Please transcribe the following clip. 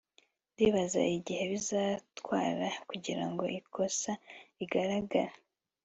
ndibaza igihe bizatwara kugirango ikosa rigaragare